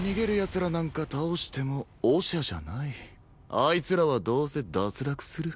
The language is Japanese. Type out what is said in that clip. あいつらはどうせ脱落する。